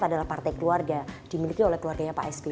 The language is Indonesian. adalah partai keluarga dimiliki oleh keluarganya pak sby